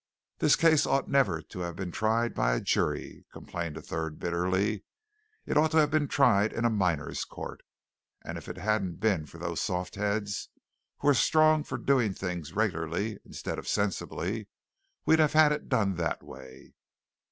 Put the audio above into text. "This case ought never to have been tried by a jury," complained a third bitterly. "It ought to have been tried in a miners' court; and if it hadn't been for those soft heads who were strong for doing things 'regularly' instead of sensibly, we'd have had it done that way."